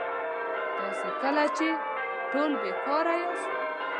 تاسي لکه چې ټول بېکاره یاست.